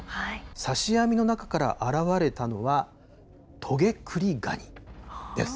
刺し網の中から現れたのは、トゲクリガニです。